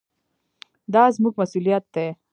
دا زموږ مسوولیت دی.